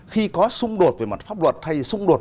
khi có xung đột về mặt pháp luật hay xung đột